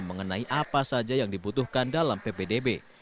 mengenai apa saja yang dibutuhkan dalam ppdb